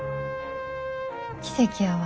奇跡やわ。